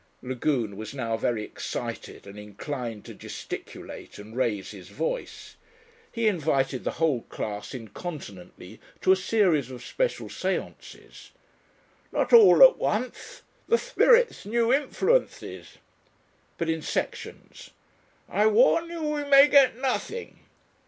Lagune was now very excited and inclined to gesticulate and raise his voice. He invited the whole class incontinently to a series of special séances. "Not all at once the spirits new influences." But in sections. "I warn you we may get nothing.